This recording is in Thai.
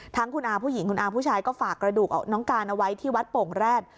ทั้งคุณอาผู้หญิงคุณอาผู้ชายก็ฝากกระดูกน้องการเอาไว้ที่วัดโป่งแร็ด